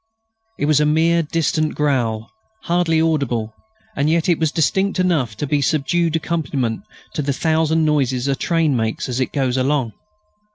It was a mere distant growl, hardly audible, and yet it was distinct enough to be a subdued accompaniment to the thousand noises a train makes as it goes along.